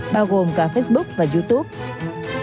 bao gồm cả facebook và youtube